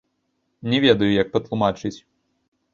Не ведаю, як патлумачыць.